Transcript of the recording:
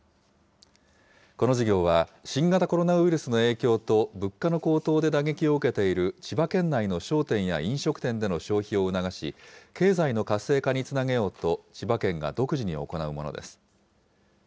この事業は、新型コロナウイルスの影響と物価の高騰で打撃を受けている千葉県内の商店や飲食店での消費を促し、経済の活性化につなげようと、千葉県が独自に行うものです。